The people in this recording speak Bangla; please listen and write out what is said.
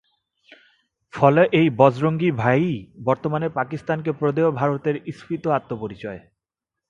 ফলে এই বজরঙ্গি ভাই ই বর্তমানের পাকিস্তানকে প্রদেয় ভারতের ঈপ্সিত আত্মপরিচয়।